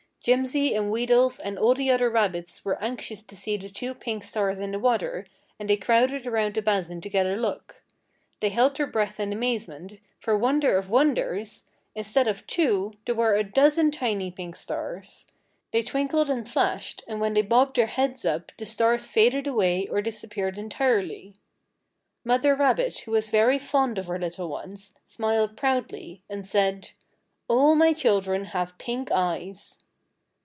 Jimsy and Wheedles and all the other rabbits were anxious to see the two pink stars in the water, and they crowded around the basin to get a look. They held their breath in amazement, for wonder of wonders! instead of two, there were a dozen tiny pink stars! They twinkled and flashed, and when they bobbed their heads up the stars faded away or disappeared entirely. Mother rabbit, who was very fond of her little ones, smiled proudly, and said: "All my children have pink eyes!"